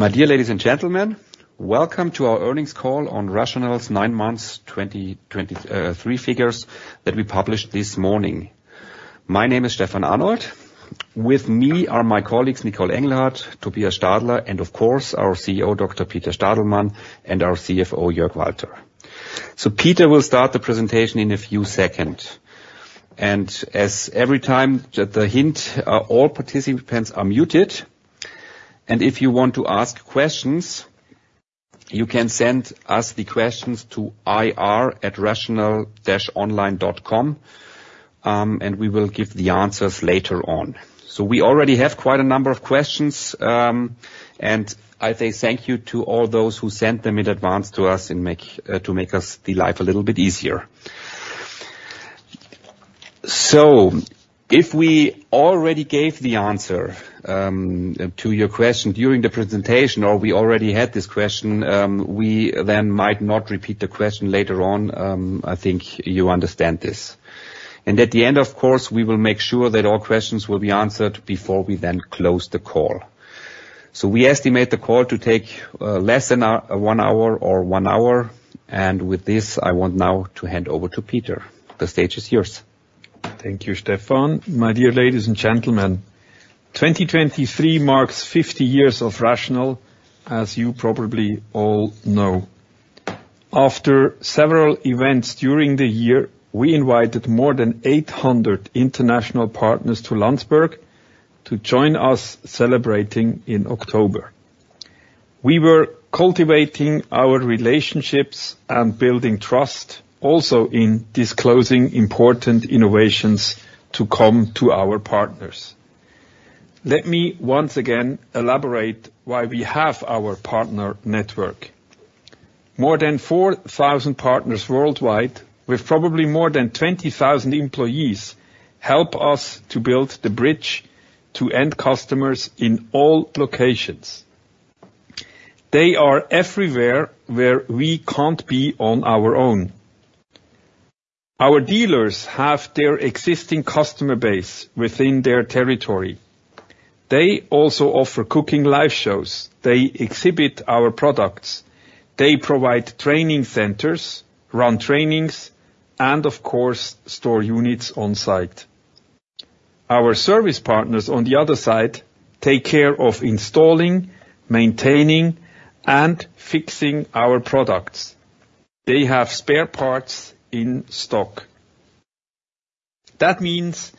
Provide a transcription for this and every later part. My dear ladies and gentlemen, welcome to our earnings call on RATIONAL's nine month 2023 figures that we published this morning. My name is Stefan Arnold. With me are my colleagues, Nicole Engelhardt, Tobias Stadler, and of course, our CEO, Dr. Peter Stadelmann, and our CFO, Jörg Walter. So Peter will start the presentation in a few seconds, and as every time, the hint, all participants are muted, and if you want to ask questions, you can send us the questions to ir@rational-online.com, and we will give the answers later on. So we already have quite a number of questions, and I say thank you to all those who sent them in advance to us and make to make our life a little bit easier. So if we already gave the answer to your question during the presentation, or we already had this question, we then might not repeat the question later on. I think you understand this. And at the end, of course, we will make sure that all questions will be answered before we then close the call. So we estimate the call to take less than one hour or one hour, and with this, I want now to hand over to Peter. The stage is yours. Thank you, Stefan. My dear ladies and gentlemen, 2023 marks 50 years of RATIONAL, as you probably all know. After several events during the year, we invited more than 800 international partners to Landsberg to join us celebrating in October. We were cultivating our relationships and building trust, also in disclosing important innovations to come to our partners. Let me once again elaborate why we have our partner network. More than 4,000 partners worldwide, with probably more than 20,000 employees, help us to build the bridge to end customers in all locations. They are everywhere where we can't be on our own. Our dealers have their existing customer base within their territory. They also offer cooking live shows. They exhibit our products. They provide training centers, run trainings, and of course, store units on site. Our service partners, on the other side, take care of installing, maintaining, and fixing our products. They have spare parts in stock. That means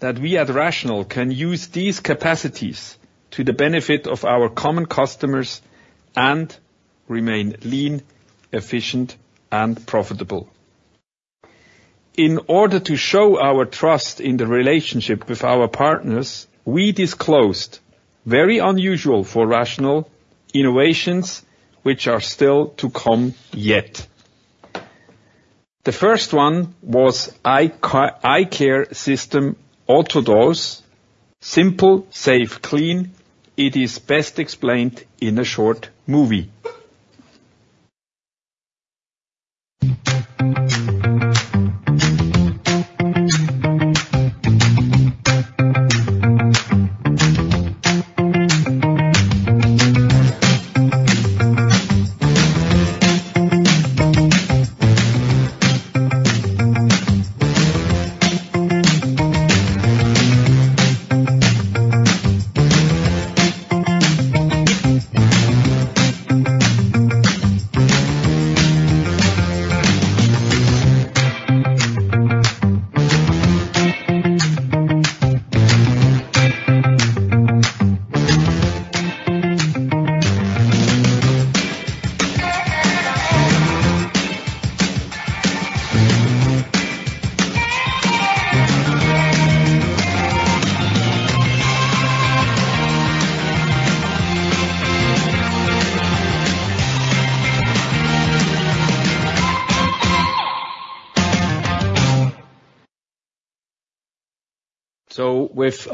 that we at RATIONAL can use these capacities to the benefit of our common customers and remain lean, efficient, and profitable. In order to show our trust in the relationship with our partners, we disclosed, very unusual for RATIONAL, innovations which are still to come yet. The first one was iCareSystem AutoDose: simple, safe, clean. It is best explained in a short movie.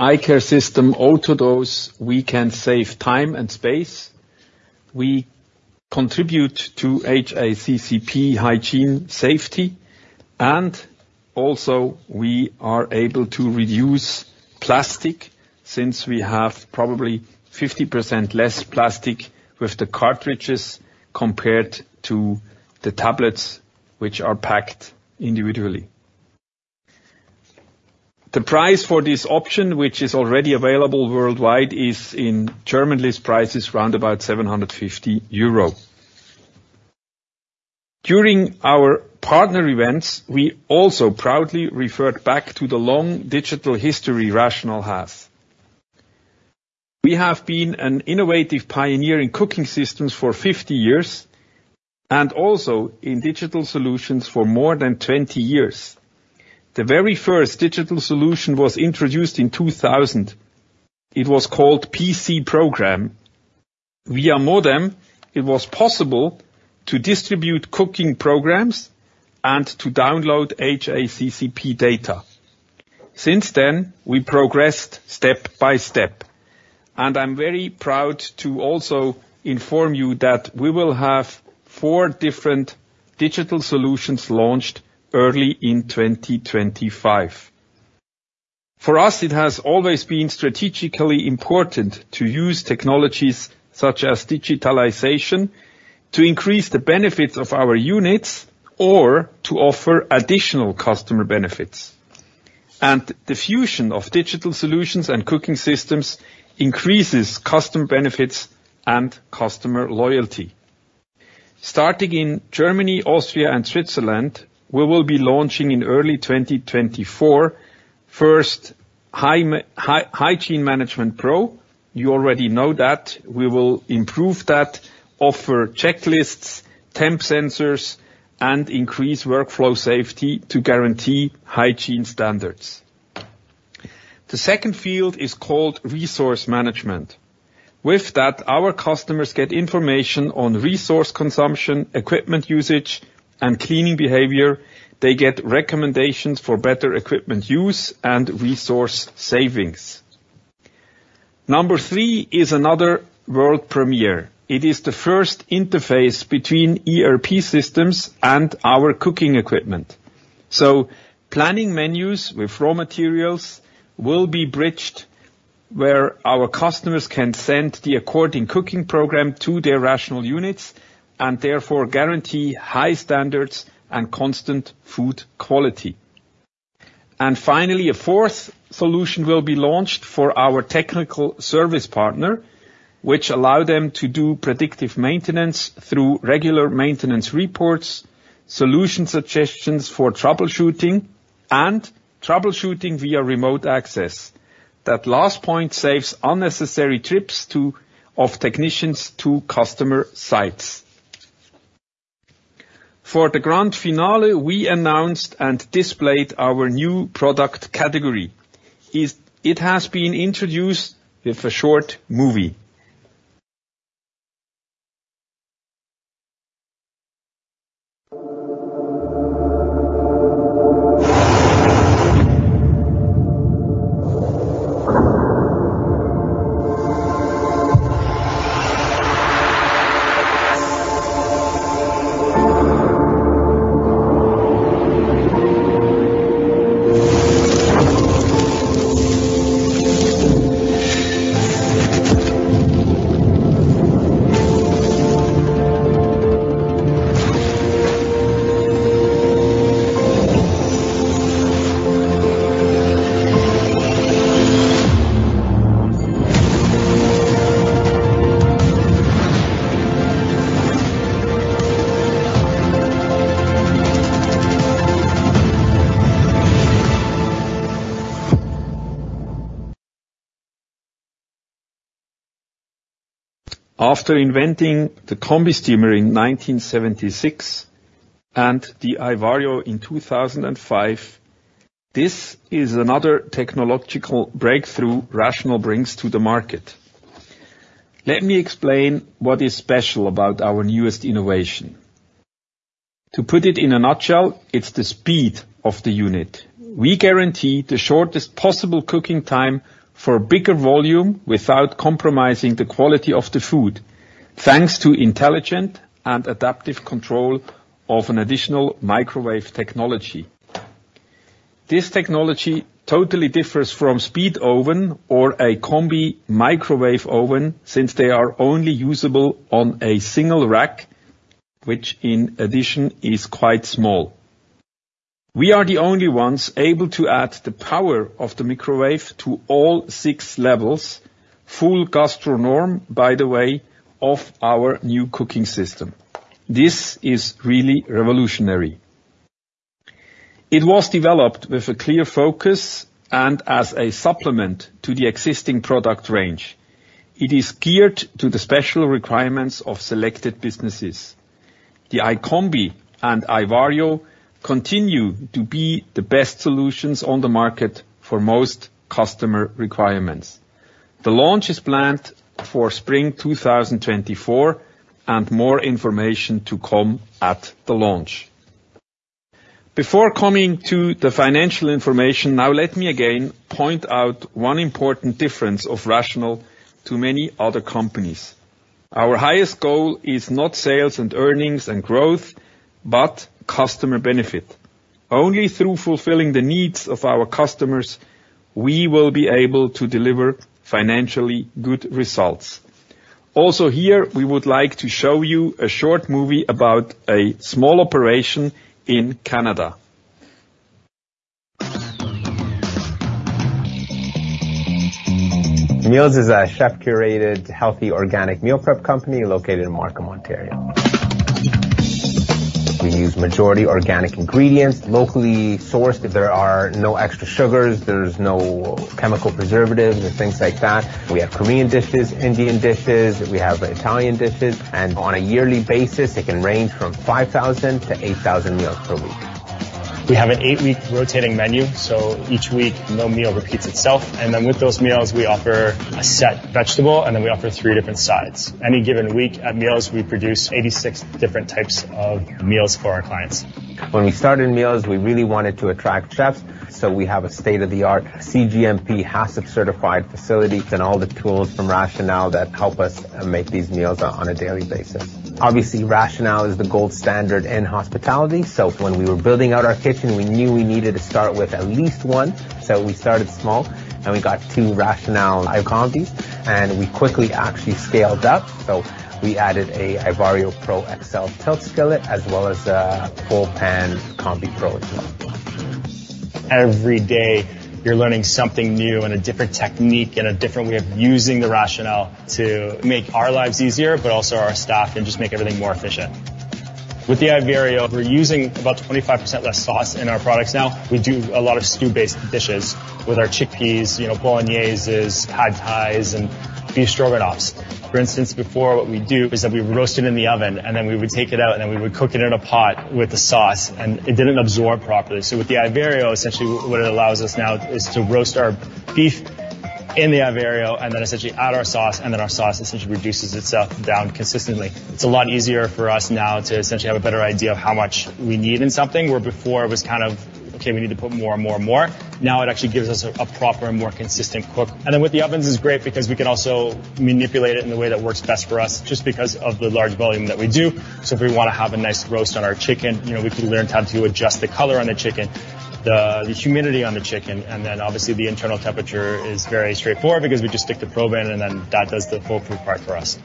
So with iCare System AutoDose, we can save time and space. We contribute to HACCP hygiene safety, and also, we are able to reduce plastic since we have probably 50% less plastic with the cartridges compared to the tablets, which are packed individually. The price for this option, which is already available worldwide, is in German list prices, round about 750 euro. During our partner events, we also proudly referred back to the long digital history RATIONAL has. We have been an innovative pioneer in cooking systems for 50 years, and also in digital solutions for more than 20 years. The very first digital solution was introduced in 2000. It was called PC Program. Via modem, it was possible to distribute cooking programs and to download HACCP data. Since then, we progressed step by step, and I'm very proud to also inform you that we will have four different digital solutions launched early in 2025.... For us, it has always been strategically important to use technologies such as digitalization, to increase the benefits of our units or to offer additional customer benefits. The fusion of digital solutions and cooking systems increases customer benefits and customer loyalty. Starting in Germany, Austria, and Switzerland, we will be launching in early 2024, first, Hygiene Management Pro. You already know that. We will improve that, offer checklists, temp sensors, and increase workflow safety to guarantee hygiene standards. The second field is called Resource Management. With that, our customers get information on resource consumption, equipment usage, and cleaning behavior. They get recommendations for better equipment use and resource savings. Number three is another world premiere. It is the first interface between ERP systems and our cooking equipment. So planning menus with raw materials will be bridged, where our customers can send the according cooking program to their RATIONAL units, and therefore guarantee high standards and constant food quality. Finally, a fourth solution will be launched for our technical service partner, which allow them to do predictive maintenance through regular maintenance reports, solution suggestions for troubleshooting, and troubleshooting via remote access. That last point saves unnecessary trips of technicians to customer sites. For the grand finale, we announced and displayed our new product category. It has been introduced with a short movie. After inventing the Combi steamer in 1976 and the iVario in 2005, this is another technological breakthrough RATIONAL brings to the market. Let me explain what is special about our newest innovation. To put it in a nutshell, it's the speed of the unit. We guarantee the shortest possible cooking time for a bigger volume without compromising the quality of the food, thanks to intelligent and adaptive control of an additional microwave technology. This technology totally differs from speed oven or a combi microwave oven, since they are only usable on a single rack, which in addition, is quite small. We are the only ones able to add the power of the microwave to all six levels, full Gastronorm, by the way, of our new cooking system. This is really revolutionary. It was developed with a clear focus and as a supplement to the existing product range. It is geared to the special requirements of selected businesses. The iCombi and iVario continue to be the best solutions on the market for most customer requirements. The launch is planned for spring 2024, and more information to come at the launch. Before coming to the financial information, now let me again point out one important difference of RATIONAL to many other companies. Our highest goal is not sales, and earnings, and growth, but customer benefit. Only through fulfilling the needs of our customers, we will be able to deliver financially good results. Also here, we would like to show you a short movie about a small operation in Canada. Meals is a chef-curated, healthy, organic meal prep company located in Markham, Ontario. We use majority organic ingredients, locally sourced. There are no extra sugars, there's no chemical preservatives and things like that. We have Korean dishes, Indian dishes, we have Italian dishes, and on a yearly basis, it can range from 5,000 to 8,000 meals per week. We have an 8-week rotating menu, so each week, no meal repeats itself. And then with those meals, we offer a set vegetable, and then we offer 3 different sides. Any given week at Meals, we produce 86 different types of meals for our clients. When we started Meals, we really wanted to attract chefs. So we have a state-of-the-art cGMP, HACCP certified facility, and all the tools from RATIONAL that help us make these meals on a daily basis. Obviously, RATIONAL is the gold standard in hospitality. So when we were building out our kitchen, we knew we needed to start with at least one. So we started small, and we got two RATIONAL iCombi, and we quickly actually scaled up. So we added an iVario Pro XL tilt skillet, as well as a full pan iCombi Pro as well.... Every day, you're learning something new, and a different technique, and a different way of using the RATIONAL to make our lives easier, but also our staff, and just make everything more efficient. With the iVario, we're using about 25% less sauce in our products now. We do a lot of stew-based dishes with our chickpeas, you know, Bologneses, Pad Thais, and Beef Stroganoffs. For instance, before, what we'd do is that we'd roast it in the oven, and then we would take it out, and then we would cook it in a pot with the sauce, and it didn't absorb properly. So with the iVario, essentially, what it allows us now is to roast our beef in the iVario, and then essentially add our sauce, and then our sauce essentially reduces itself down consistently. It's a lot easier for us now to essentially have a better idea of how much we need in something, where before it was kind of, "Okay, we need to put more and more and more." Now, it actually gives us a proper and more consistent cook. And then, with the ovens, it's great because we can also manipulate it in a way that works best for us, just because of the large volume that we do. So if we wanna have a nice roast on our chicken, you know, we can learn how to adjust the color on the chicken, the humidity on the chicken, and then, obviously, the internal temperature is very straightforward because we just stick the probe in, and then that does the foolproof part for us.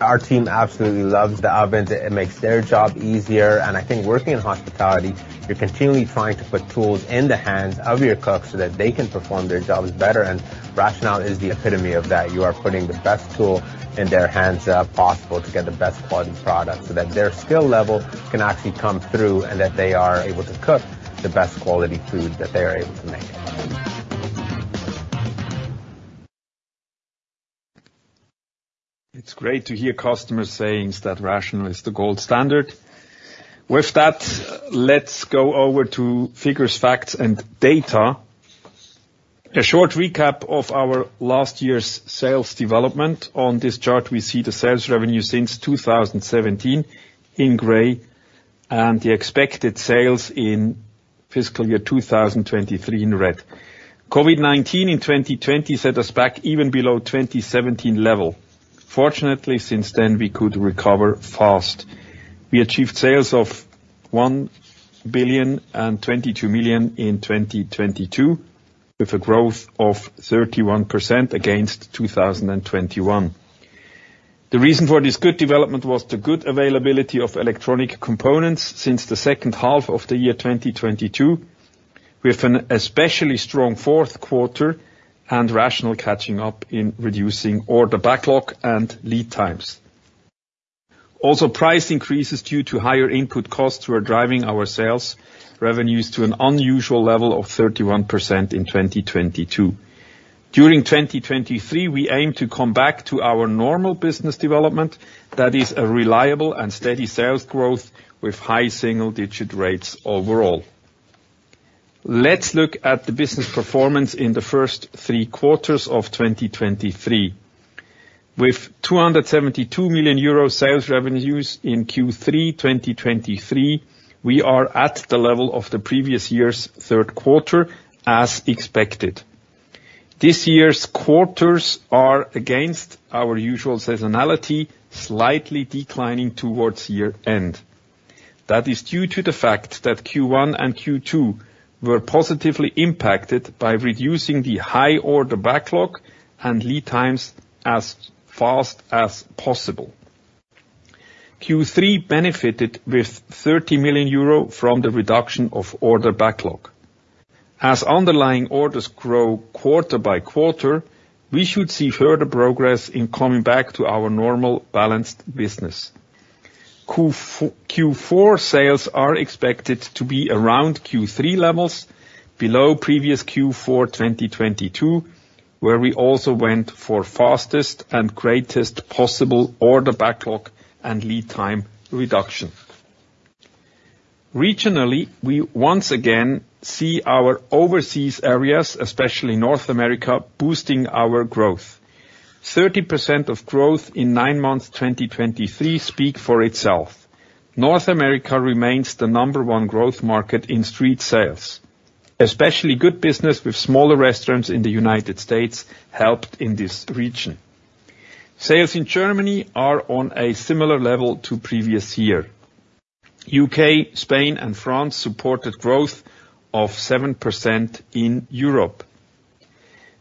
Our team absolutely loves the oven. It makes their job easier. And I think working in hospitality, you're continually trying to put tools in the hands of your cooks so that they can perform their jobs better, and RATIONAL is the epitome of that. You are putting the best tool in their hands possible to get the best quality product, so that their skill level can actually come through, and that they are able to cook the best quality food that they are able to make. It's great to hear customers saying that RATIONAL is the gold standard. With that, let's go over to figures, facts, and data. A short recap of our last year's sales development. On this chart, we see the sales revenue since 2017 in gray, and the expected sales in fiscal year 2023 in red. COVID-19 in 2020 set us back even below 2017 level. Fortunately, since then, we could recover fast. We achieved sales of 1,022 million in 2022, with a growth of 31% against 2021. The reason for this good development was the good availability of electronic components since the second half of the year 2022, with an especially strong fourth quarter, and RATIONAL catching up in reducing order backlog and lead times. Also, price increases due to higher input costs were driving our sales revenues to an unusual level of 31% in 2022. During 2023, we aim to come back to our normal business development. That is a reliable and steady sales growth, with high single-digit rates overall. Let's look at the business performance in the first three quarters of 2023. With 272 million euro sales revenues in Q3 2023, we are at the level of the previous year's third quarter, as expected. This year's quarters are, against our usual seasonality, slightly declining towards year-end. That is due to the fact that Q1 and Q2 were positively impacted by reducing the high order backlog and lead times as fast as possible. Q3 benefited with 30 million euro from the reduction of order backlog. As underlying orders grow quarter by quarter, we should see further progress in coming back to our normal balanced business. Q4 sales are expected to be around Q3 levels, below previous Q4 2022, where we also went for fastest and greatest possible order backlog and lead time reduction. Regionally, we once again see our overseas areas, especially North America, boosting our growth. 30% of growth in nine months, 2023, speak for itself. North America remains the number one growth market in street sales. Especially good business with smaller restaurants in the United States helped in this region. Sales in Germany are on a similar level to previous year. UK, Spain, and France supported growth of 7% in Europe.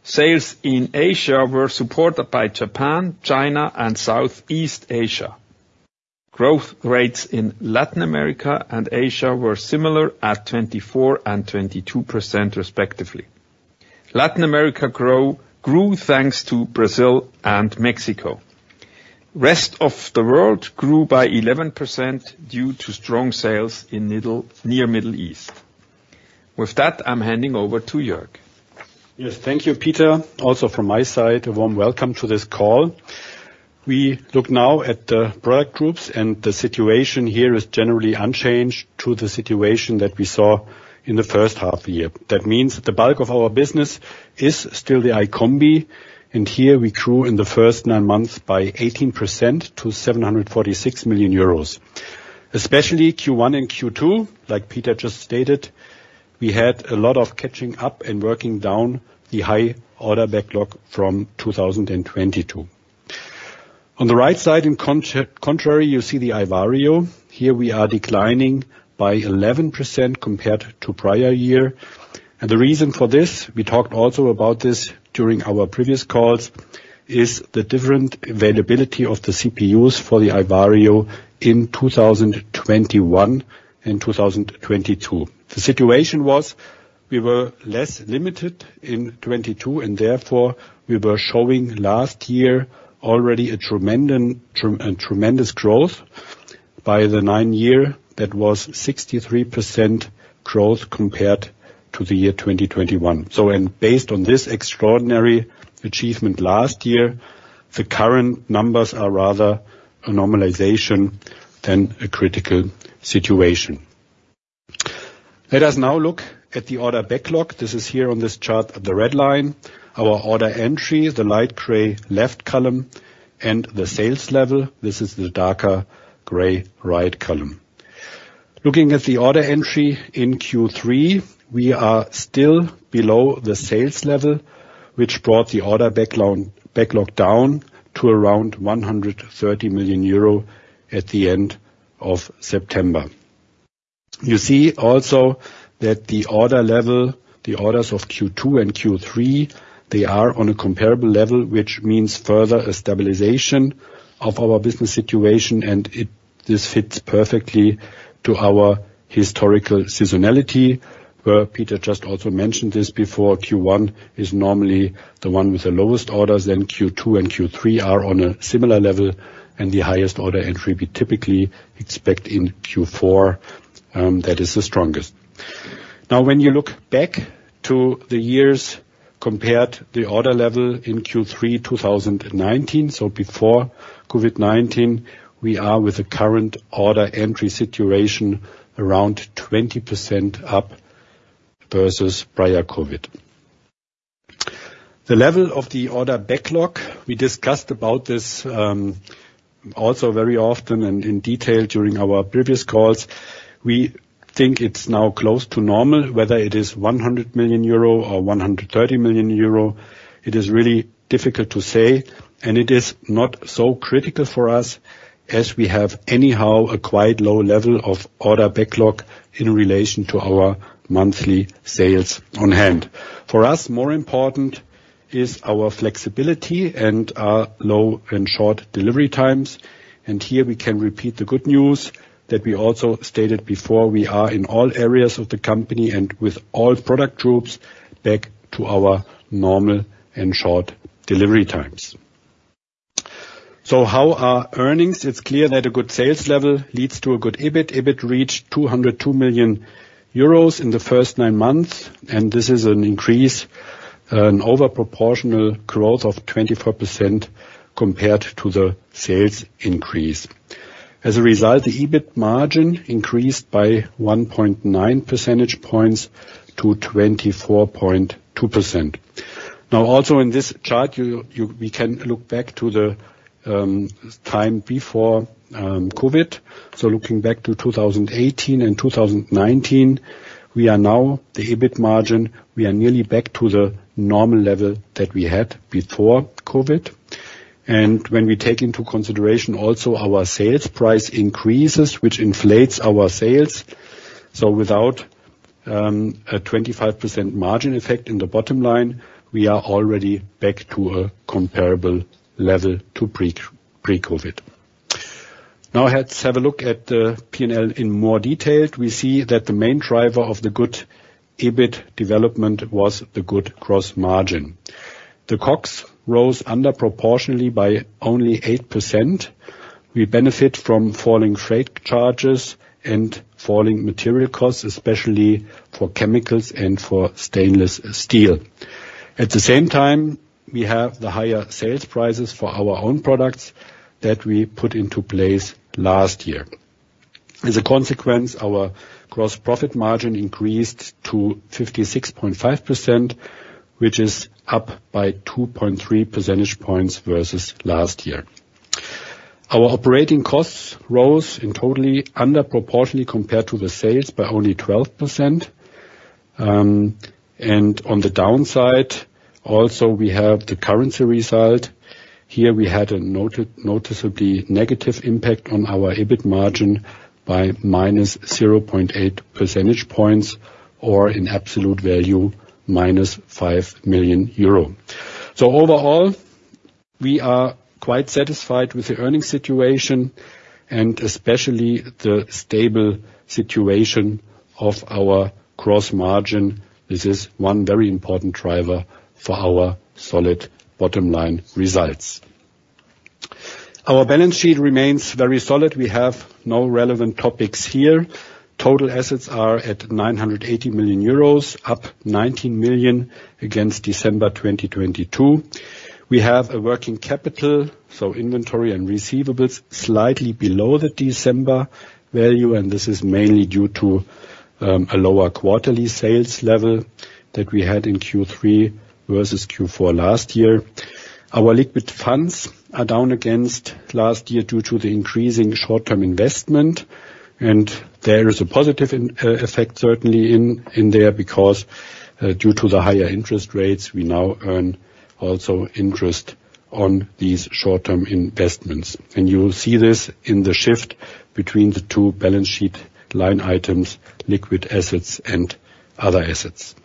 Sales in Asia were supported by Japan, China, and South East Asia. Growth rates in Latin America and Asia were similar at 24% and 22%, respectively. Latin America grew thanks to Brazil and Mexico. Rest of the world grew by 11% due to strong sales in Middle East. With that, I'm handing over to Jörg. Yes, thank you, Peter. Also, from my side, a warm welcome to this call. We look now at the product groups, and the situation here is generally unchanged to the situation that we saw in the first half of the year. That means that the bulk of our business is still the iCombi, and here we grew in the first nine months by 18% to 746 million euros. Especially Q1 and Q2, like Peter just stated, we had a lot of catching up and working down the high order backlog from 2022. On the right side, on the contrary, you see the iVario. Here we are declining by 11% compared to prior year. And the reason for this, we talked also about this during our previous calls, is the different availability of the CPUs for the iVario in 2021 and 2022. The situation was... We were less limited in 2022, and therefore, we were showing last year already a tremendous growth. By the nine year, that was 63% growth compared to the year 2021. So and based on this extraordinary achievement last year, the current numbers are rather a normalization than a critical situation. Let us now look at the order backlog. This is here on this chart, the red line. Our order entry, the light gray left column, and the sales level, this is the darker gray right column. Looking at the order entry in Q3, we are still below the sales level, which brought the order backlog down to around 130 million euro at the end of September. You see also that the order level, the orders of Q2 and Q3, they are on a comparable level, which means further a stabilization of our business situation, and this fits perfectly to our historical seasonality, where Peter just also mentioned this before. Q1 is normally the one with the lowest orders, then Q2 and Q3 are on a similar level, and the highest order entry, we typically expect in Q4, that is the strongest. Now, when you look back to the years, compared the order level in Q3, 2019, so before COVID-19, we are with the current order entry situation around 20% up versus prior COVID. The level of the order backlog, we discussed about this, also very often and in detail during our previous calls. We think it's now close to normal. Whether it is 100 million euro or 130 million euro, it is really difficult to say, and it is not so critical for us, as we have anyhow a quite low level of order backlog in relation to our monthly sales on hand. For us, more important is our flexibility and our low and short delivery times. And here, we can repeat the good news that we also stated before, we are in all areas of the company and with all product groups, back to our normal and short delivery times. So how are earnings? It's clear that a good sales level leads to a good EBIT. EBIT reached 202 million euros in the first nine months, and this is an increase, an over proportional growth of 24% compared to the sales increase. As a result, the EBIT margin increased by 1.9 percentage points to 24.2%. Now, also in this chart, you-- we can look back to the time before COVID. So looking back to 2018 and 2019, we are now, the EBIT margin, we are nearly back to the normal level that we had before COVID. And when we take into consideration also our sales price increases, which inflates our sales, so without a 25% margin effect in the bottom line, we are already back to a comparable level to pre-COVID. Now let's have a look at the P&L in more detail. We see that the main driver of the good EBIT development was the good gross margin. The COGS rose under proportionally by only 8%. We benefit from falling freight charges and falling material costs, especially for chemicals and for stainless steel. At the same time, we have the higher sales prices for our own products that we put into place last year. As a consequence, our gross profit margin increased to 56.5%, which is up by 2.3 percentage points versus last year. Our operating costs rose in totally under proportionally compared to the sales by only 12%. And on the downside, also, we have the currency result. Here, we had a noticeably negative impact on our EBIT margin by minus 0.8 percentage points or in absolute value, minus 5 million euro. So overall, we are quite satisfied with the earnings situation and especially the stable situation of our gross margin. This is one very important driver for our solid bottom-line results. Our balance sheet remains very solid. We have no relevant topics here. Total assets are at 980 million euros, up 19 million against December 2022. We have a working capital, so inventory and receivables, slightly below the December value, and this is mainly due to a lower quarterly sales level that we had in Q3 versus Q4 last year. Our liquid funds are down against last year due to the increasing short-term investment, and there is a positive in effect, certainly in there, because due to the higher interest rates, we now earn also interest on these short-term investments. You will see this in the shift between the two balance sheet line items, liquid assets and other assets.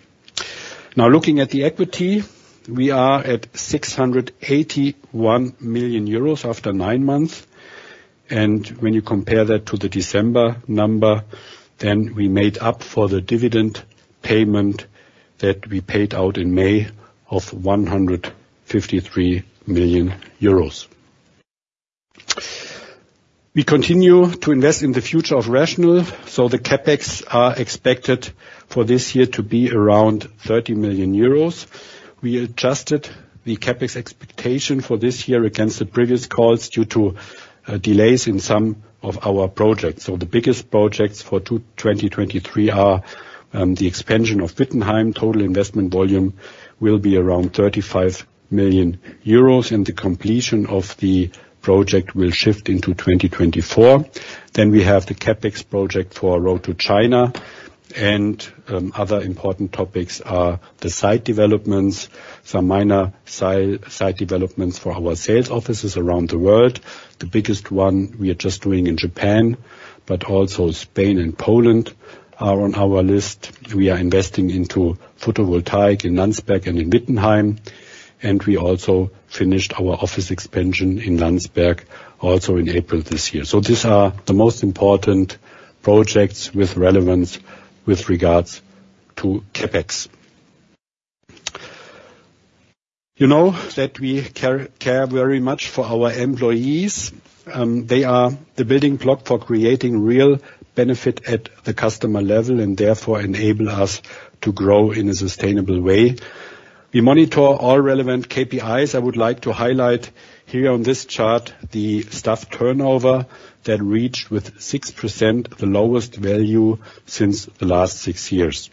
Now looking at the equity, we are at 681 million euros after nine months, and when you compare that to the December number, then we made up for the dividend payment that we paid out in May of 153 million euros. We continue to invest in the future of RATIONAL, so the CapEx are expected for this year to be around 30 million euros. We adjusted the CapEx expectation for this year against the previous calls, due to delays in some of our projects. The biggest projects for 2023 are the expansion of Wittenheim. Total investment volume will be around 35 million euros, and the completion of the project will shift into 2024. Then we have the CapEx project for our road to China, and other important topics are the site developments, some minor site developments for our sales offices around the world. The biggest one we are just doing in Japan, but also Spain and Poland are on our list. We are investing into photovoltaic in Landsberg and in Wittenheim, and we also finished our office expansion in Landsberg, also in April this year. So these are the most important projects with relevance with regards to CapEx. You know, that we care very much for our employees. They are the building block for creating real benefit at the customer level, and therefore enable us to grow in a sustainable way. We monitor all relevant KPIs. I would like to highlight here on this chart, the staff turnover that reached 6%, the lowest value since the last six years.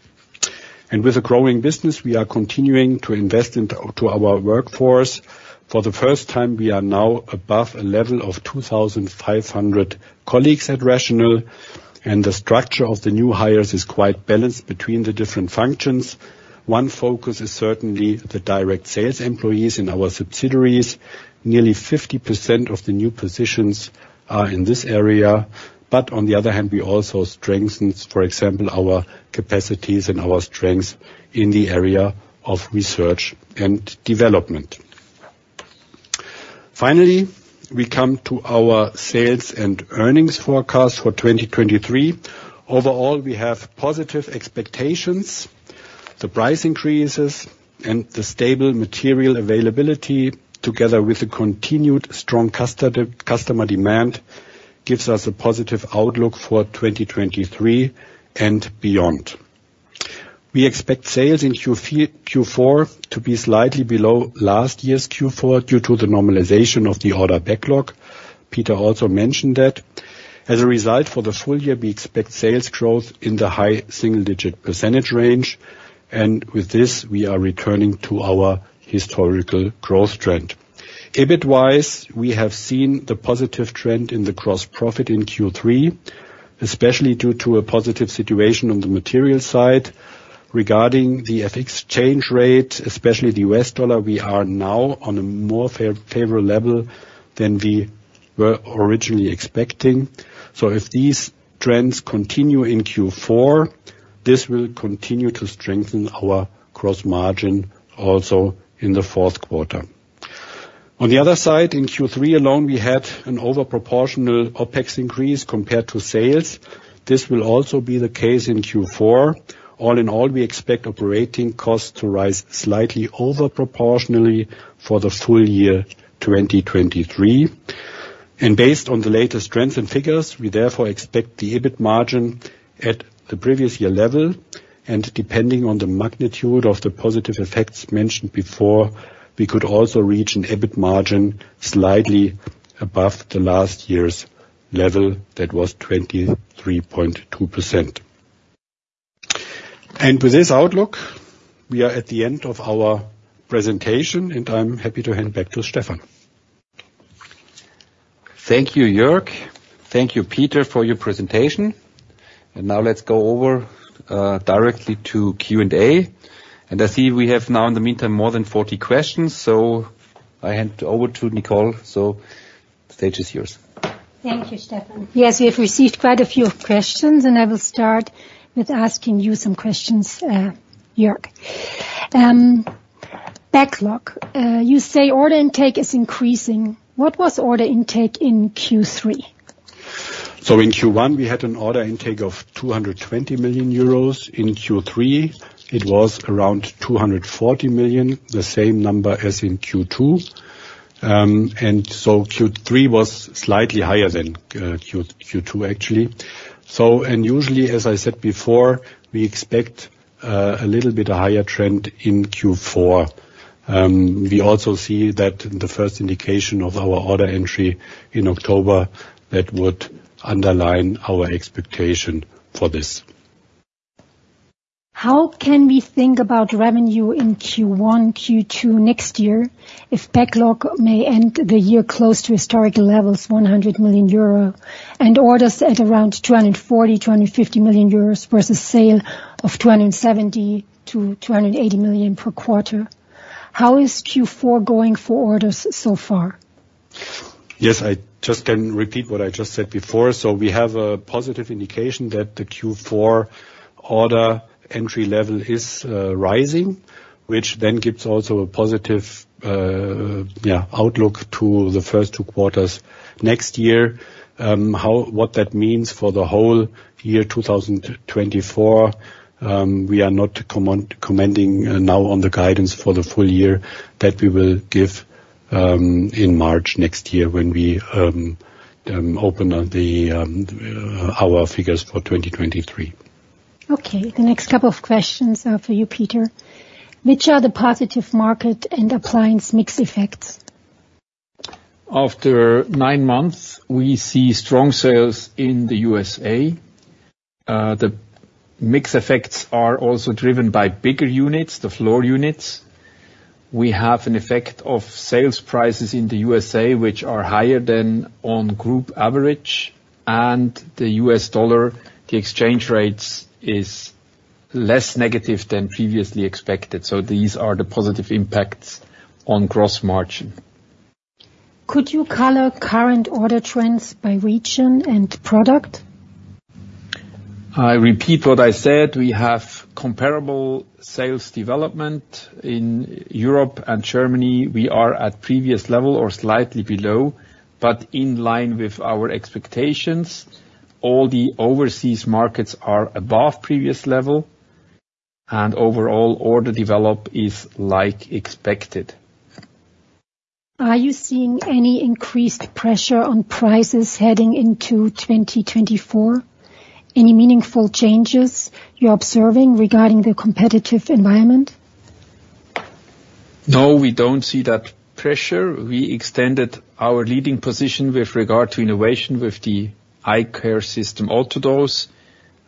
With a growing business, we are continuing to invest into, to our workforce. For the first time, we are now above a level of 2,500 colleagues at RATIONAL, and the structure of the new hires is quite balanced between the different functions. One focus is certainly the direct sales employees in our subsidiaries. Nearly 50% of the new positions are in this area, but on the other hand, we also strengthen, for example, our capacities and our strengths in the area of research and development. Finally, we come to our sales and earnings forecast for 2023. Overall, we have positive expectations. The price increases and the stable material availability, together with a continued strong customer demand, gives us a positive outlook for 2023 and beyond. We expect sales in Q4 to be slightly below last year's Q4, due to the normalization of the order backlog. Peter also mentioned that. As a result, for the full year, we expect sales growth in the high single-digit % range, and with this, we are returning to our historical growth trend. EBIT-wise, we have seen the positive trend in the gross profit in Q3, especially due to a positive situation on the material side. Regarding the FX change rate, especially the US dollar, we are now on a more favorable level than we were originally expecting. So if these trends continue in Q4, this will continue to strengthen our gross margin also in the fourth quarter. On the other side, in Q3 alone, we had an overproportional OpEx increase compared to sales. This will also be the case in Q4. All in all, we expect operating costs to rise slightly over proportionally for the full year 2023. Based on the latest trends and figures, we therefore expect the EBIT margin at the previous year level, and depending on the magnitude of the positive effects mentioned before, we could also reach an EBIT margin slightly above the last year's level. That was 23.2%. With this outlook, we are at the end of our presentation, and I'm happy to hand back to Stefan. Thank you, Jörg. Thank you, Peter, for your presentation. And now let's go over, directly to Q&A. And I see we have now, in the meantime, more than 40 questions, so I hand over to Nicole. So the stage is yours. Thank you, Stefan. Yes, we have received quite a few questions, and I will start with asking you some questions, Jörg. Backlog. You say order intake is increasing. What was order intake in Q3? So in Q1, we had an order intake of 200 million euros. In Q3, it was around 240 million, the same number as in Q2. So Q3 was slightly higher than Q2, actually. Usually, as I said before, we expect a little bit higher trend in Q4. We also see that in the first indication of our order entry in October, that would underline our expectation for this. How can we think about revenue in Q1, Q2 next year, if backlog may end the year close to historical levels, 100 million euro, and orders at around 240-250 million euros, versus sale of 270-280 million EUR per quarter? How is Q4 going for orders so far? Yes, I just can repeat what I just said before. So we have a positive indication that the Q4 order entry level is rising, which then gives also a positive outlook to the first two quarters next year. What that means for the whole year, 2024, we are not commenting now on the guidance for the full year. That we will give in March next year, when we open up our figures for 2023. Okay, the next couple of questions are for you, Peter. Which are the positive market and appliance mix effects? After nine months, we see strong sales in the USA. The mix effects are also driven by bigger units, the floor units. We have an effect of sales prices in the USA, which are higher than on group average, and the US dollar, the exchange rates, is less negative than previously expected. So these are the positive impacts on gross margin. Could you color current order trends by region and product? I repeat what I said: We have comparable sales development. In Europe and Germany, we are at previous level or slightly below, but in line with our expectations. All the overseas markets are above previous level, and overall order develop is like expected. Are you seeing any increased pressure on prices heading into 2024? Any meaningful changes you're observing regarding the competitive environment? No, we don't see that pressure. We extended our leading position with regard to innovation, with the iCare System AutoDose.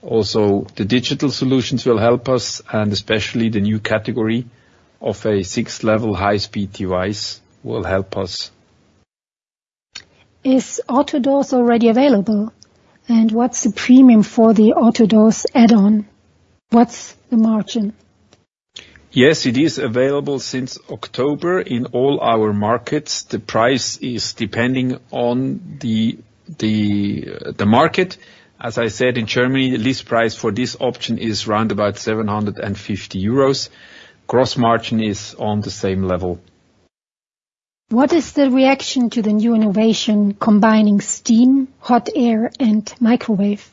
Also, the digital solutions will help us, and especially the new category of a six-level high-speed device will help us. Is AutoDose already available? And what's the premium for the AutoDose add-on? What's the margin? Yes, it is available since October in all our markets. The price is depending on the market. As I said, in Germany, the list price for this option is around 750 euros. Gross margin is on the same level. What is the reaction to the new innovation, combining steam, hot air, and microwave?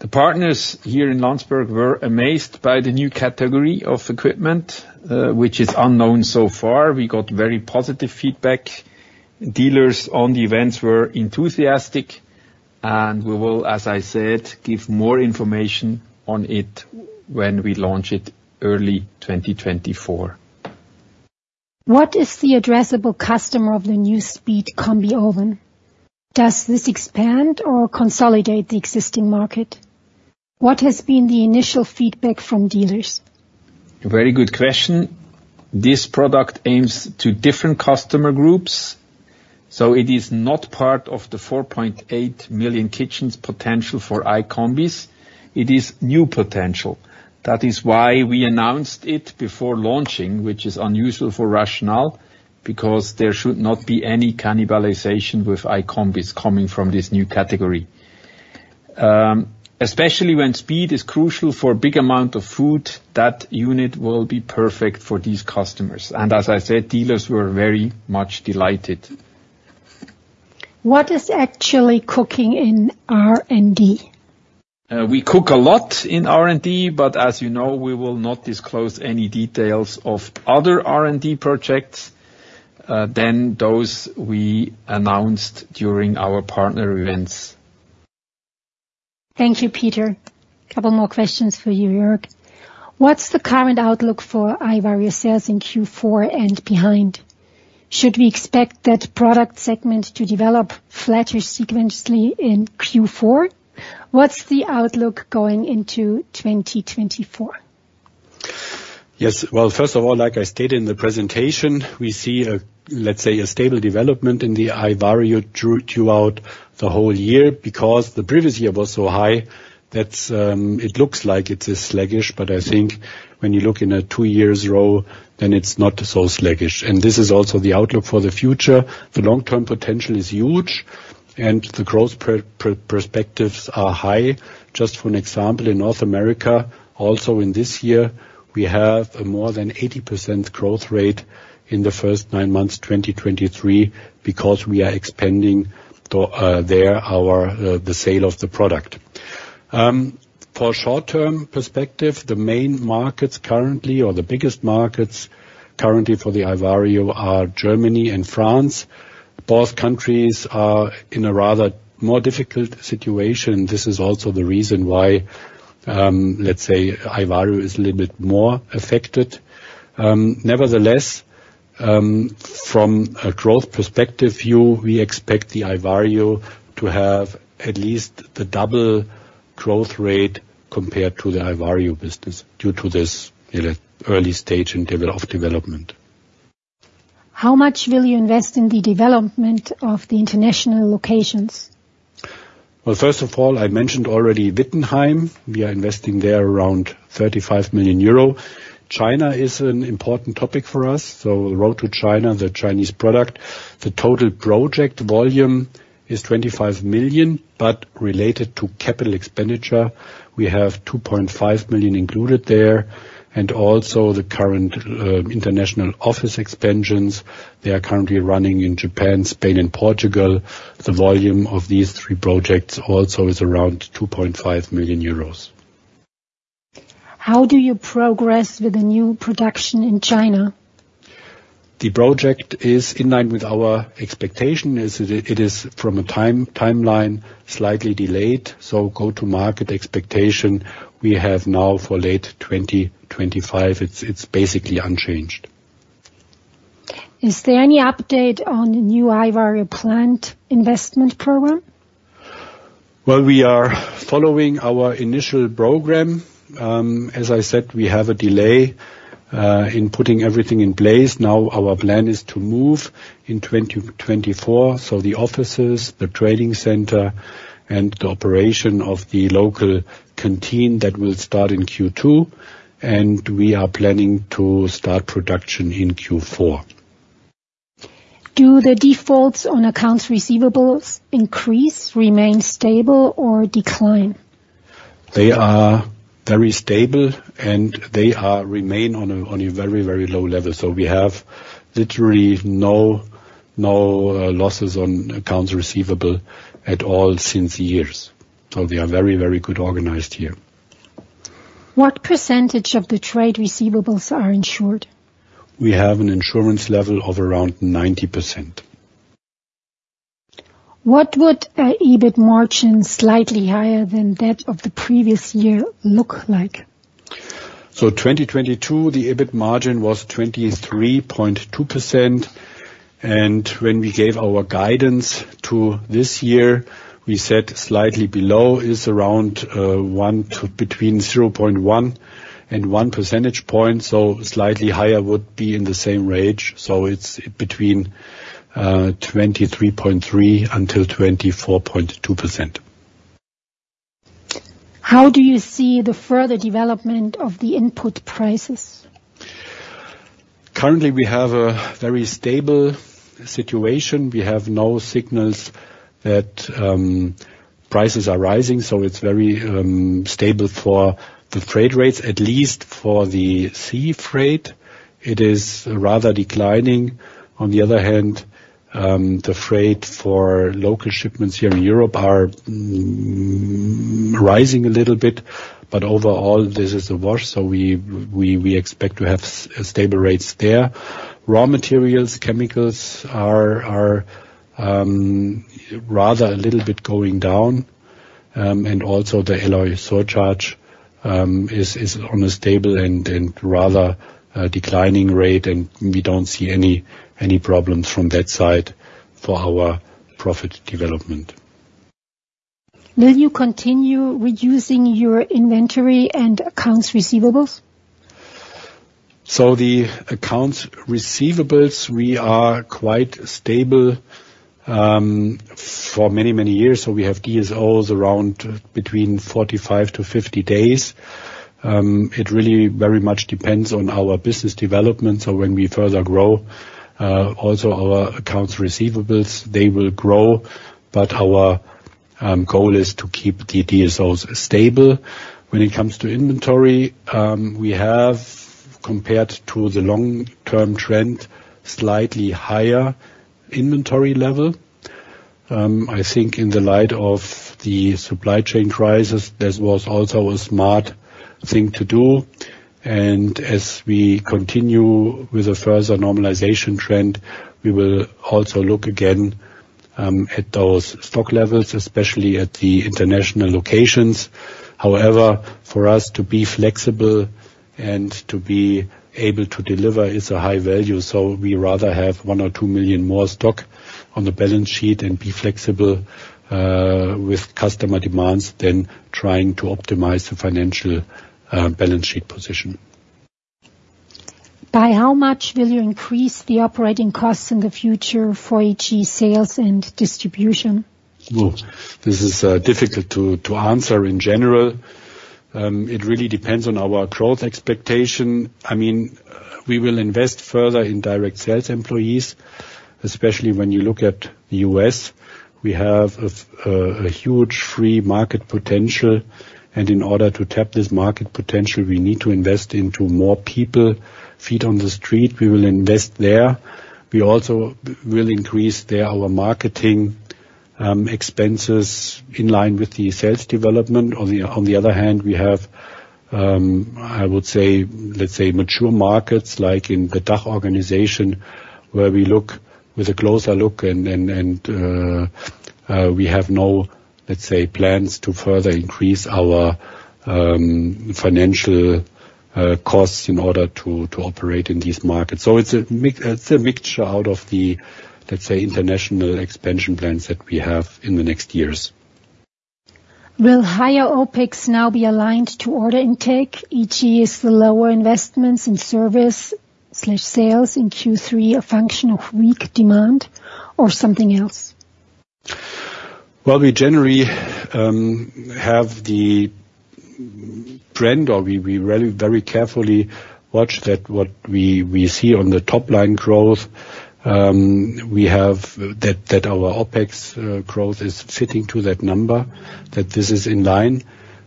The partners here in Landsberg were amazed by the new category of equipment, which is unknown so far. We got very positive feedback. Dealers on the events were enthusiastic, and we will, as I said, give more information on it when we launch it early 2024. What is the addressable customer of the new SpeedCombi oven? Does this expand or consolidate the existing market? What has been the initial feedback from dealers? Very good question. This product aims to different customer groups, so it is not part of the 4.8 million kitchens potential for iCombi. It is new potential. That is why we announced it before launching, which is unusual for RATIONAL, because there should not be any cannibalization with iCombi coming from this new category. Especially when speed is crucial for a big amount of food, that unit will be perfect for these customers, and as I said, dealers were very much delighted. What is actually cooking in R&D? We cook a lot in R&D, but as you know, we will not disclose any details of other R&D projects than those we announced during our partner events. Thank you, Peter. Couple more questions for you, Jörg. What's the current outlook for iVario sales in Q4 and behind? Should we expect that product segment to develop flatter sequentially in Q4? What's the outlook going into 2024? Yes. Well, first of all, like I stated in the presentation, we see a, let's say, a stable development in the iVario throughout the whole year. Because the previous year was so high that, it looks like it is sluggish, but I think when you look in a two years row, then it's not so sluggish. And this is also the outlook for the future. The long-term potential is huge, and the growth perspectives are high. Just for an example, in North America, also in this year, we have a more than 80% growth rate in the first nine months, 2023, because we are expanding to, there, our, the sale of the product. For short-term perspective, the main markets currently, or the biggest markets currently for the iVario are Germany and France. Both countries are in a rather more difficult situation. This is also the reason why, let's say, iVario is a little bit more affected. Nevertheless, from a growth perspective view, we expect the iVario to have at least the double growth rate compared to the iVario business, due to this, you know, early stage of development. How much will you invest in the development of the international locations?... Well, first of all, I mentioned already Wittenheim. We are investing there around 35 million euro. China is an important topic for us, so the road to China, the Chinese product, the total project volume is 25 million, but related to capital expenditure, we have 2.5 million included there, and also the current international office expansions. They are currently running in Japan, Spain and Portugal. The volume of these three projects also is around 2.5 million euros. How do you progress with the new production in China? The project is in line with our expectation. It is from a timeline slightly delayed. So go to market expectation we have now for late 2025. It's basically unchanged. Is there any update on the new iVario plant investment program? Well, we are following our initial program. As I said, we have a delay in putting everything in place. Now, our plan is to move in 2024, so the offices, the trading center, and the operation of the local canteen, that will start in Q2, and we are planning to start production in Q4. Do the defaults on accounts receivables increase, remain stable, or decline? They are very stable, and they remain on a very, very low level. So we have literally no losses on accounts receivable at all since years. So we are very, very good organized here. What percentage of the trade receivables are insured? We have an insurance level of around 90%. What would a EBIT margin slightly higher than that of the previous year look like? 2022, the EBIT margin was 23.2%, and when we gave our guidance to this year, we said slightly below is around, one to between 0.1 and 1 percentage point. Slightly higher would be in the same range. It's between 23.3%-24.2%. How do you see the further development of the input prices? Currently, we have a very stable situation. We have no signals that prices are rising, so it's very stable for the freight rates. At least for the sea freight, it is rather declining. On the other hand, the freight for local shipments here in Europe are rising a little bit. But overall, this is the worst, so we expect to have stable rates there. Raw materials, chemicals are rather a little bit going down, and also the alloy surcharge is on a stable and rather a declining rate. And we don't see any problems from that side for our profit development. Will you continue reducing your inventory and accounts receivables? The accounts receivables, we are quite stable for many, many years. We have DSOs around between 45-50 days. It really very much depends on our business development. When we further grow, also our accounts receivables, they will grow, but our goal is to keep the DSOs stable. When it comes to inventory, we have, compared to the long-term trend, slightly higher inventory level. I think in the light of the supply chain crisis, this was also a smart thing to do, and as we continue with a further normalization trend, we will also look again at those stock levels, especially at the international locations. However, for us to be flexible and to be able to deliver is a high value, so we rather have 1-2 million more stock on the balance sheet and be flexible with customer demands than trying to optimize the financial balance sheet position. By how much will you increase the operating costs in the future for AG sales and distribution? Well, this is difficult to answer in general. It really depends on our growth expectation. I mean, we will invest further in direct sales employees, especially when you look at the U.S. We have a huge free market potential, and in order to tap this market potential, we need to invest into more people, feet on the street. We will invest there. We also will increase there our marketing expenses in line with the sales development. On the other hand, we have, I would say, let's say, mature markets, like in the DACH organization, where we look with a closer look and we have no, let's say, plans to further increase our financial costs in order to operate in these markets. It's a mix, it's a mixture out of the, let's say, international expansion plans that we have in the next years.... Will higher OpEx now be aligned to order intake, e.g., is the lower investments in service/sales in Q3 a function of weak demand or something else? Well, we generally have the trend, or we very, very carefully watch what we see on the top line growth. We have that our OpEx growth is fitting to that number, that this is in line.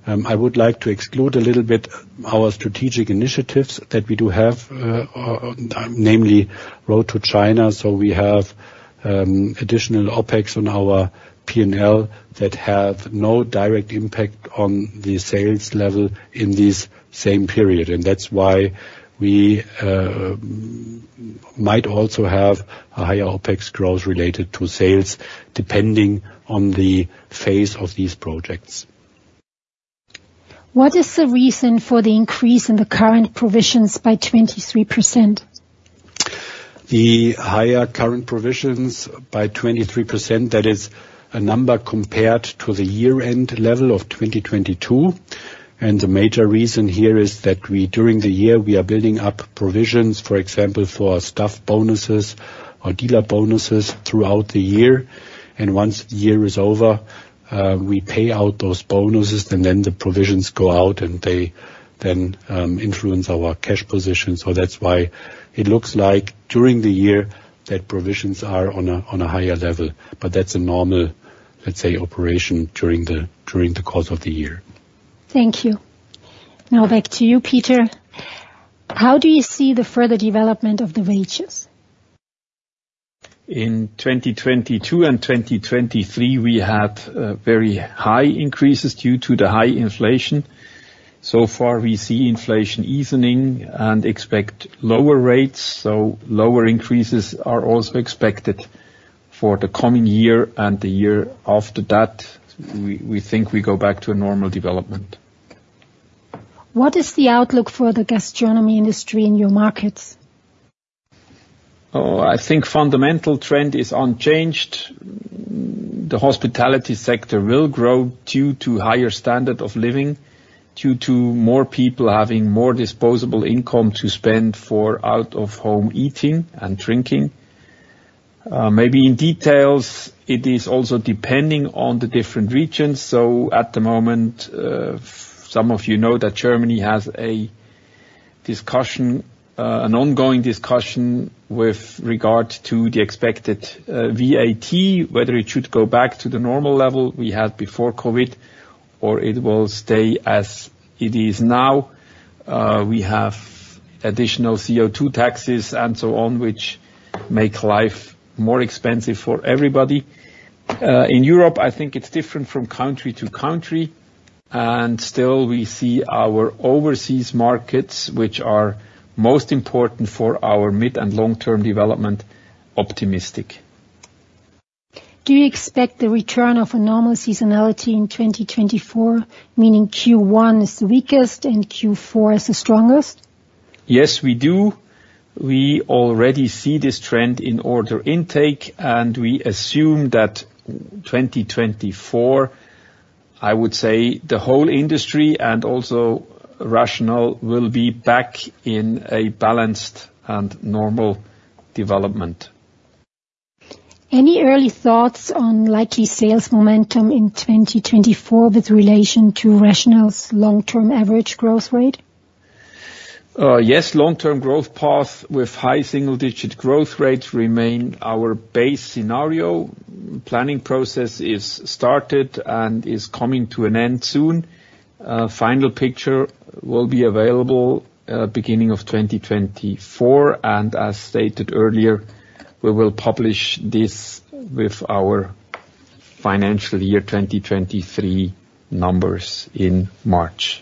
I would like to exclude a little bit our strategic initiatives that we do have, namely, Road to China. So we have additional OpEx on our P&L that have no direct impact on the sales level in this same period, and that's why we might also have a higher OpEx growth related to sales, depending on the phase of these projects. What is the reason for the increase in the current provisions by 23%? The higher current provisions by 23%, that is a number compared to the year-end level of 2022, and the major reason here is that we during the year are building up provisions, for example, for our staff bonuses or dealer bonuses throughout the year, and once the year is over, we pay out those bonuses, and then the provisions go out, and they then influence our cash position. So that's why it looks like, during the year, that provisions are on a higher level. But that's a normal, let's say, operation during the course of the year. Thank you. Now back to you, Peter. How do you see the further development of the wages? In 2022 and 2023, we had very high increases due to the high inflation. So far, we see inflation evening out and expect lower rates, so lower increases are also expected for the coming year and the year after that. We think we go back to a normal development. What is the outlook for the gastronomy industry in your markets? Oh, I think fundamental trend is unchanged. The hospitality sector will grow due to higher standard of living, due to more people having more disposable income to spend for out-of-home eating and drinking. Maybe in details, it is also depending on the different regions, so at the moment, some of you know that Germany has a discussion, an ongoing discussion with regard to the expected VAT, whether it should go back to the normal level we had before COVID, or it will stay as it is now. We have additional CO2 taxes and so on, which make life more expensive for everybody. In Europe, I think it's different from country to country, and still, we see our overseas markets, which are most important for our mid and long-term development, optimistic. Do you expect the return of a normal seasonality in 2024, meaning Q1 is the weakest and Q4 is the strongest? Yes, we do. We already see this trend in order intake, and we assume that 2024, I would say, the whole industry and also RATIONAL, will be back in a balanced and normal development. Any early thoughts on likely sales momentum in 2024 with relation to RATIONAL's long-term average growth rate? Yes, long-term growth path with high single-digit growth rates remain our base scenario. Planning process is started and is coming to an end soon. Final picture will be available, beginning of 2024, and as stated earlier, we will publish this with our financial year 2023 numbers in March.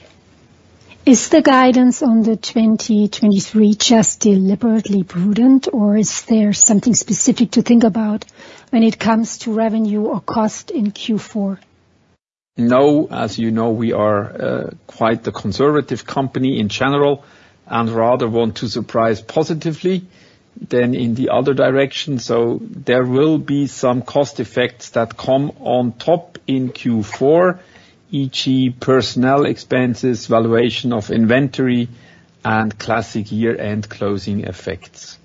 Is the guidance on the 2023 just deliberately prudent, or is there something specific to think about when it comes to revenue or cost in Q4? No. As you know, we are quite the conservative company in general and rather want to surprise positively than in the other direction. So there will be some cost effects that come on top in Q4, e.g., personnel expenses, valuation of inventory, and classic year-end closing effects.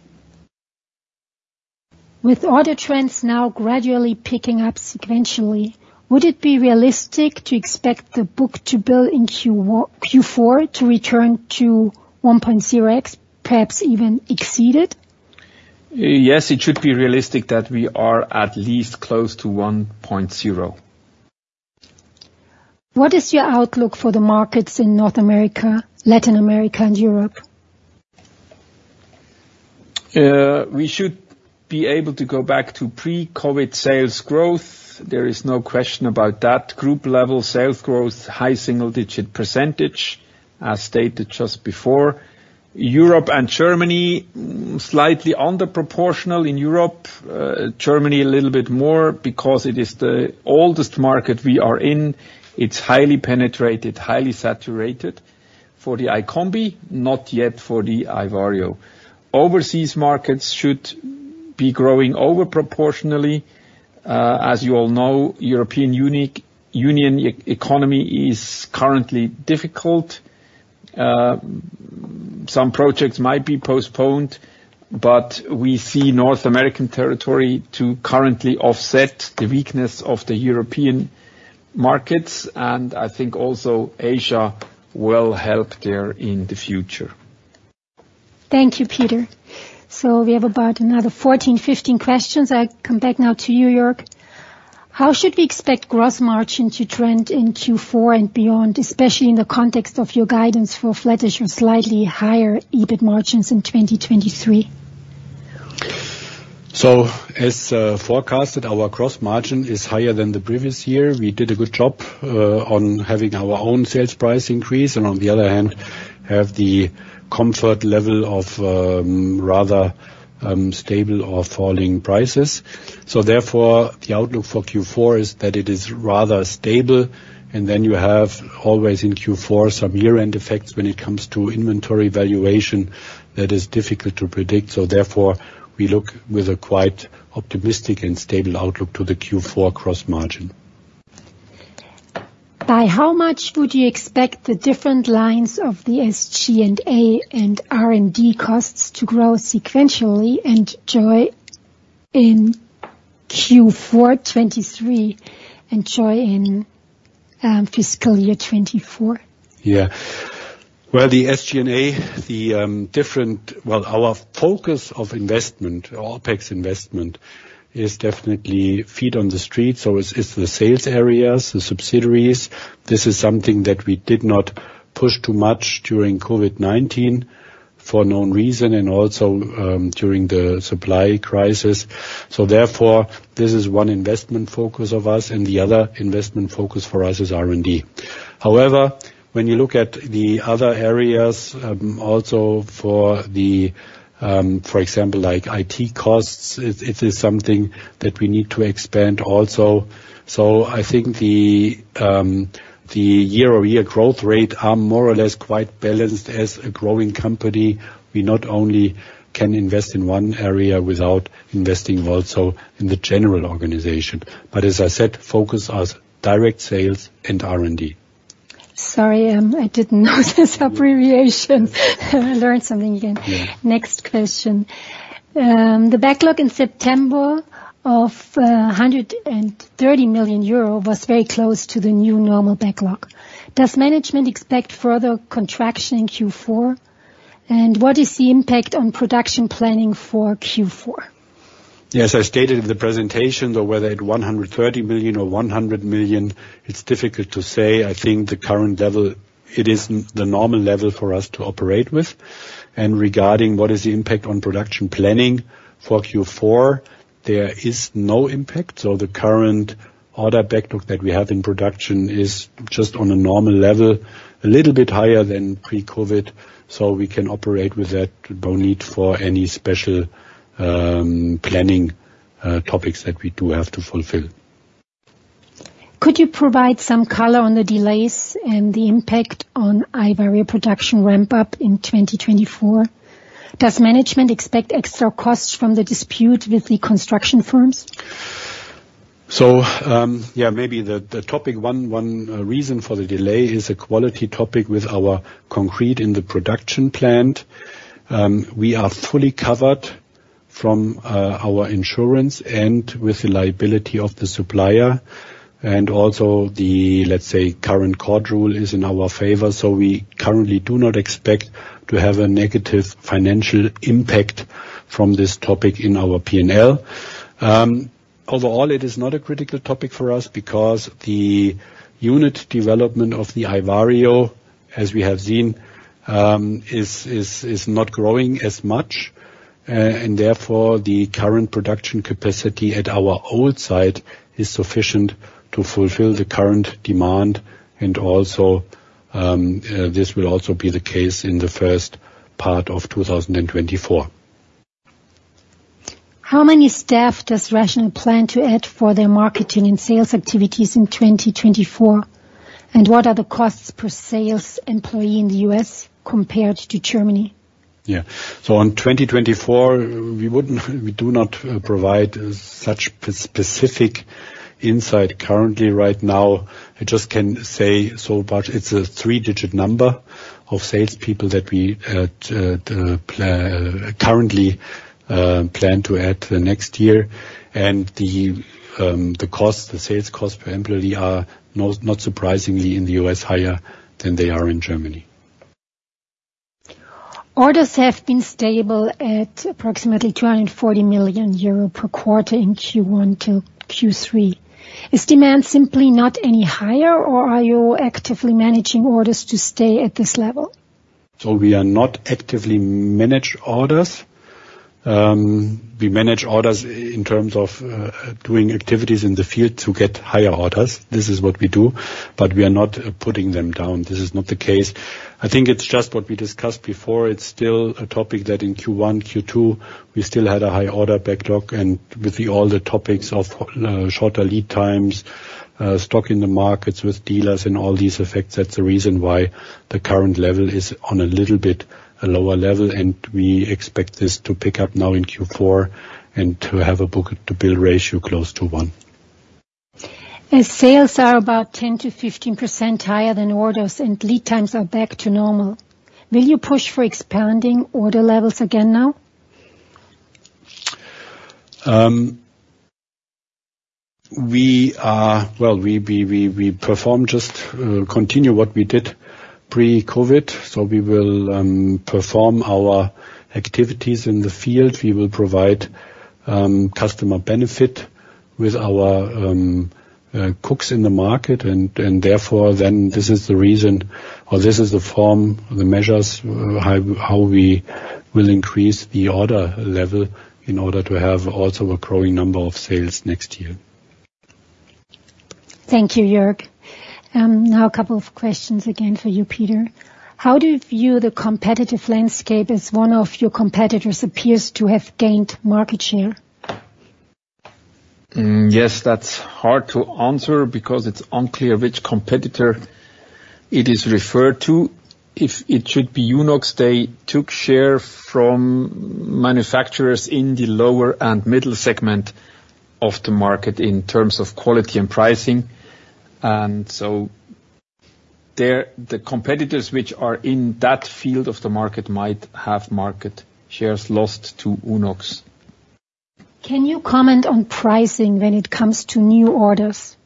With order trends now gradually picking up sequentially, would it be realistic to expect the book to bill in Q4 to return to 1.0, perhaps even exceed it? Yes, it should be realistic that we are at least close to 1.0. What is your outlook for the markets in North America, Latin America and Europe? We should be able to go back to pre-COVID sales growth. There is no question about that. Group level sales growth, high single-digit %, as stated just before. Europe and Germany, slightly under proportional in Europe. Germany, a little bit more because it is the oldest market we are in. It's highly penetrated, highly saturated for the iCombi, not yet for the Vario. Overseas markets should-... be growing over proportionally. As you all know, European Union economy is currently difficult. Some projects might be postponed, but we see North American territory to currently offset the weakness of the European markets, and I think also Asia will help there in the future. Thank you, Peter. So we have about another 14, 15 questions. I come back now to you, Jörg. How should we expect gross margin to trend in Q4 and beyond, especially in the context of your guidance for flatish and slightly higher EBIT margins in 2023? So as forecasted, our gross margin is higher than the previous year. We did a good job on having our own sales price increase and on the other hand, have the comfort level of rather stable or falling prices. So therefore, the outlook for Q4 is that it is rather stable, and then you have always in Q4, some year-end effects when it comes to inventory valuation, that is difficult to predict. So therefore, we look with a quite optimistic and stable outlook to the Q4 gross margin. By how much would you expect the different lines of the SG&A and R&D costs to grow sequentially and YoY in Q4 2023, and YoY in fiscal year 2024? Yeah. Well, the SG&A, our focus of investment, OpEx investment, is definitely feet on the street, so it's the sales areas, the subsidiaries. This is something that we did not push too much during COVID-19 for known reason, and also during the supply crisis. So therefore, this is one investment focus of us, and the other investment focus for us is R&D. However, when you look at the other areas, also for the, for example, like IT costs, it is something that we need to expand also. So I think the year-over-year growth rate are more or less quite balanced. As a growing company, we not only can invest in one area without investing also in the general organization, but as I said, focus as direct sales and R&D. Sorry, I didn't know this abbreviation. I learned something again. Yeah. Next question. The backlog in September of 130 million euro was very close to the new normal backlog. Does management expect further contraction in Q4? And what is the impact on production planning for Q4? Yes, as stated in the presentation, though whether at 130 million or 100 million, it's difficult to say. I think the current level, it is the normal level for us to operate with. And regarding what is the impact on production planning for Q4, there is no impact, so the current order backlog that we have in production is just on a normal level, a little bit higher than pre-COVID, so we can operate with that. No need for any special, planning, topics that we do have to fulfill. Could you provide some color on the delays and the impact on iVario production ramp-up in 2024? Does management expect extra costs from the dispute with the construction firms? Yeah, maybe the topic, one reason for the delay is a quality topic with our concrete in the production plant. We are fully covered from our insurance and with the liability of the supplier. And also the, let's say, current court rule is in our favor, so we currently do not expect to have a negative financial impact from this topic in our P&L. Overall, it is not a critical topic for us because the unit development of the iVario, as we have seen, is not growing as much, and therefore, the current production capacity at our old site is sufficient to fulfill the current demand, and also, this will also be the case in the first part of 2024. How many staff does RATIONAL plan to add for their marketing and sales activities in 2024? And what are the costs per sales employee in the U.S. compared to Germany? Yeah. So on 2024, we wouldn't, we do not provide such specific insight currently right now. I just can say so, but it's a three-digit number of salespeople that we currently plan to add next year. And the cost, the sales cost per employee are not, not surprisingly, in the U.S., higher than they are in Germany. Orders have been stable at approximately 240 million euro per quarter in Q1 till Q3. Is demand simply not any higher, or are you actively managing orders to stay at this level? We are not actively manage orders. We manage orders in terms of doing activities in the field to get higher orders. This is what we do, but we are not putting them down. This is not the case. I think it's just what we discussed before. It's still a topic that in Q1, Q2, we still had a high order backlog, and with all the topics of shorter lead times, stock in the markets with dealers and all these effects, that's the reason why the current level is on a little bit a lower level, and we expect this to pick up now in Q4 and to have a book-to-bill ratio close to one.... As sales are about 10%-15% higher than orders, and lead times are back to normal, will you push for expanding order levels again now? Well, we just continue what we did pre-COVID. So we will perform our activities in the field. We will provide customer benefit with our cooks in the market, and therefore this is the reason, or this is the form, the measures, how we will increase the order level in order to have also a growing number of sales next year. Thank you, Jörg. Now a couple of questions again for you, Peter. How do you view the competitive landscape, as one of your competitors appears to have gained market share? Yes, that's hard to answer because it's unclear which competitor it is referred to. If it should be Unox, they took share from manufacturers in the lower and middle segment of the market in terms of quality and pricing. So there, the competitors which are in that field of the market, might have market shares lost to Unox. Can you comment on pricing when it comes to new orders?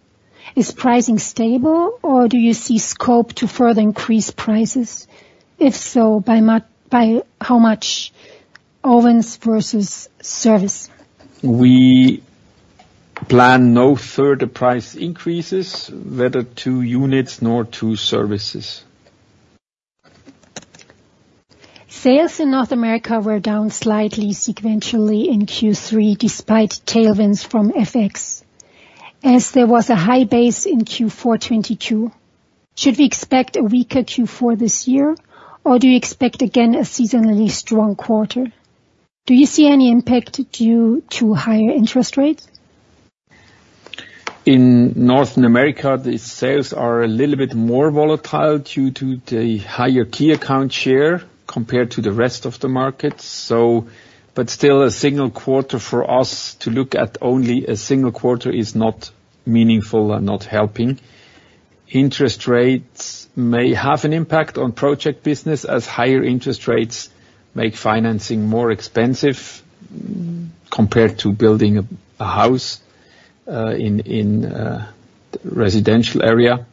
Is pricing stable, or do you see scope to further increase prices? If so, by how much, ovens versus service? We plan no further price increases, whether to units nor to services. Sales in North America were down slightly sequentially in Q3, despite tailwinds from FX, as there was a high base in Q4 2022. Should we expect a weaker Q4 this year, or do you expect again, a seasonally strong quarter? Do you see any impact due to higher interest rates? In North America, the sales are a little bit more volatile due to the higher key account share, compared to the rest of the market. So, but still, a single quarter for us to look at, only a single quarter, is not meaningful and not helping. Interest rates may have an impact on project business, as higher interest rates make financing more expensive, compared to building a house in a residential area,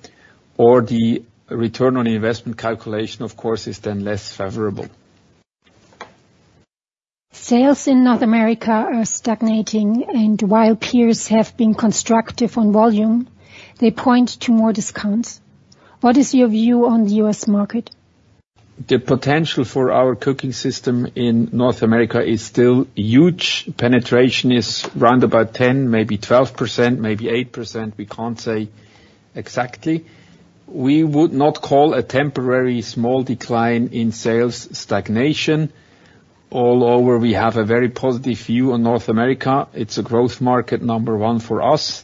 or the return on investment calculation, of course, is then less favorable. Sales in North America are stagnating, and while peers have been constructive on volume, they point to more discounts. What is your view on the U.S. market? The potential for our cooking system in North America is still huge. Penetration is round about 10%, maybe 12%, maybe 8%. We can't say exactly. We would not call a temporary small decline in sales stagnation. Although, we have a very positive view on North America, it's a growth market, number one for us.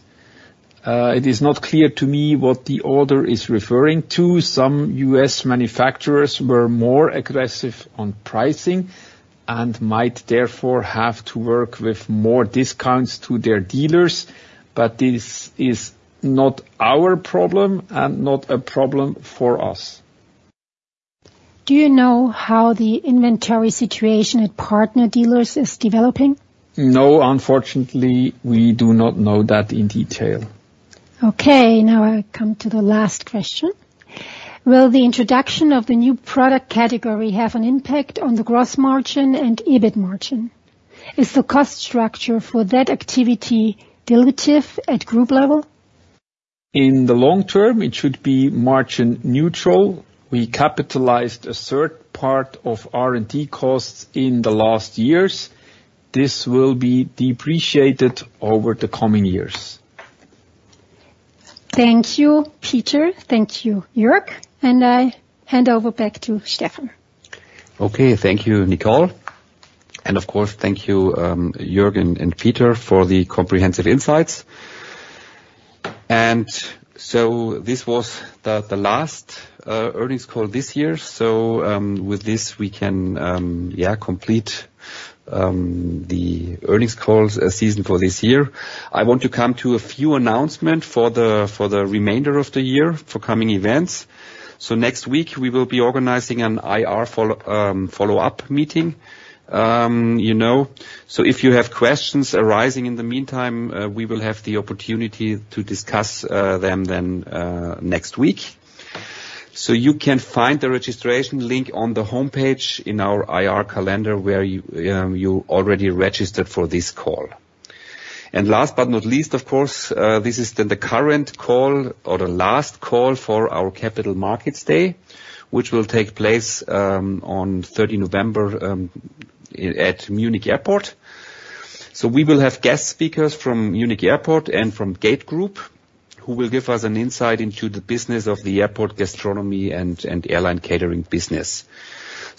It is not clear to me what the order is referring to. Some U.S. manufacturers were more aggressive on pricing, and might therefore have to work with more discounts to their dealers. But this is not our problem and not a problem for us. Do you know how the inventory situation at partner dealers is developing? No, unfortunately, we do not know that in detail. Okay, now I come to the last question. Will the introduction of the new product category have an impact on the gross margin and EBIT margin? Is the cost structure for that activity dilutive at group level? In the long term, it should be margin neutral. We capitalized a third part of R&D costs in the last years. This will be depreciated over the coming years. Thank you, Peter. Thank you, Jörg. And I hand over back to Stefan. Okay. Thank you, Nicole. And, of course, thank you, Jörg and Peter for the comprehensive insights. And so this was the last earnings call this year. So, with this, we can complete the earnings calls season for this year. I want to come to a few announcement for the remainder of the year, for coming events. So next week we will be organizing an IR follow-up meeting. You know, so if you have questions arising in the meantime, we will have the opportunity to discuss them then, next week. So you can find the registration link on the homepage in our IR calendar, where you already registered for this call. Last but not least, of course, this is then the current call or the last call for our Capital Markets Day, which will take place on 30th November at Munich Airport. We will have guest speakers from Munich Airport and from Gategroup, who will give us an insight into the business of the airport gastronomy and airline catering business.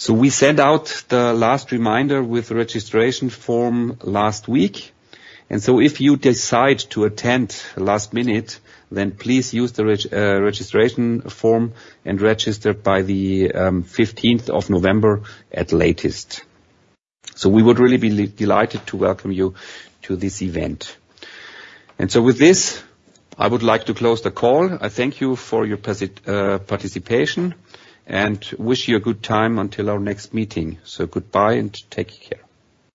We send out the last reminder with registration form last week, and so if you decide to attend last minute, then please use the registration form and register by the fifteenth of November at latest. We would really be delighted to welcome you to this event. With this, I would like to close the call. I thank you for your participation, and wish you a good time until our next meeting. Goodbye, and take care.